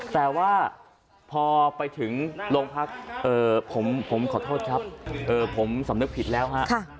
แต่ว่าพอไปถึงโรงพักผมขอโทษครับผมสำนึกผิดแล้วฮะ